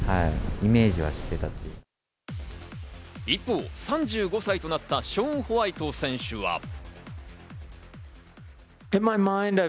一方、３５歳となったショーン・ホワイト選手は。